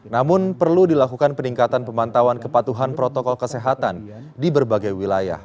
namun perlu dilakukan peningkatan pemantauan kepatuhan protokol kesehatan di berbagai wilayah